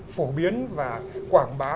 phổ biến và quảng bá